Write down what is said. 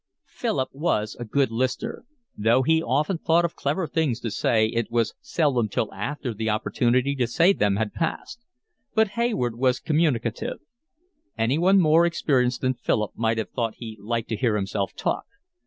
Philip was a good listener; though he often thought of clever things to say, it was seldom till after the opportunity to say them had passed; but Hayward was communicative; anyone more experienced than Philip might have thought he liked to hear himself talk.